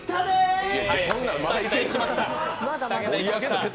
２桁いきました。